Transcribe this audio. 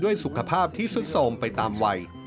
ด้วยสุขภาพที่สุดสมไปตามวัย